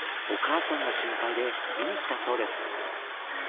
お母さんが心配で見にきたそうです。